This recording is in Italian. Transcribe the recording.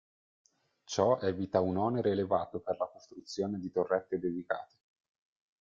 Ciò evita un onere elevato per la costruzione di torrette dedicate.